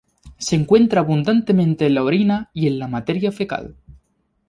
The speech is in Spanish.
Se encuentra abundantemente en la orina y en la materia fecal.